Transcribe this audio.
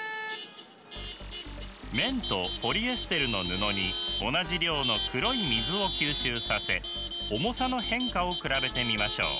綿とポリエステルの布に同じ量の黒い水を吸収させ重さの変化を比べてみましょう。